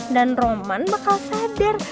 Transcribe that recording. dan roman bakal sadar